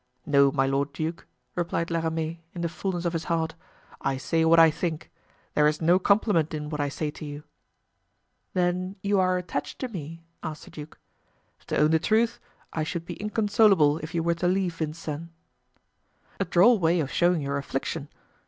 "No, my lord duke," replied La Ramee, in the fullness of his heart; "I say what I think; there is no compliment in what I say to you——" "Then you are attached to me?" asked the duke. "To own the truth, I should be inconsolable if you were to leave Vincennes." "A droll way of showing your affliction."